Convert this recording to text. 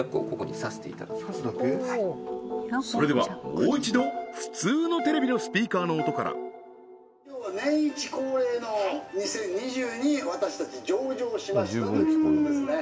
それではもう一度普通のテレビのスピーカーの音から今日は年一恒例の「２０２２私たち上場しました」ということですね